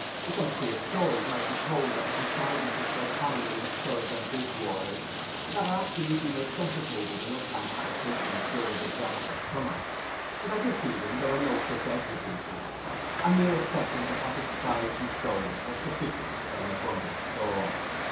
Some queer stories might be told of the contrivances for economy in suds and dish waters that are absolutely necessitated in upland habitations during the droughts of summer. But at this season there were no such exigencies; a mere acceptance of what the skies bestowed was sufficient for an abundant store.